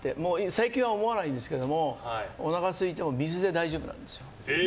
最近はもう思わないんですけどおなかすいても水で大丈夫なんです。